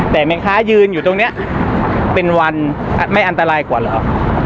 แต่แม่ค้ายืนอยู่ตรงนี้เป็นวันไม่อันตรายกว่าเหรอ